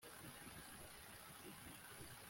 kandi bameze nkabatagifite imbaraga zo kurwanya